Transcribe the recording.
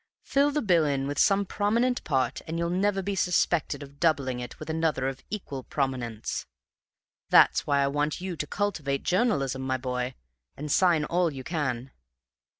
Fill the bill in some prominent part, and you'll never be suspected of doubling it with another of equal prominence. That's why I want you to cultivate journalism, my boy, and sign all you can.